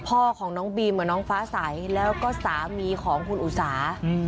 พ่อของน้องบีมกับน้องฟ้าใสแล้วก็สามีของคุณอุสา